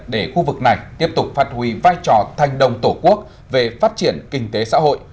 để khu vực này tiếp tục phát huy vai trò thanh đồng tổ quốc về phát triển kinh tế xã hội